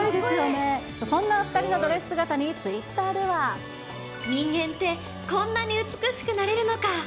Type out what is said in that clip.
そんな２人のドレス姿に、人間ってこんなに美しくなれるのか。